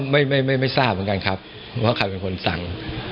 ไม่ไม่ทราบเหมือนกันครับว่าใครเป็นคนสั่ง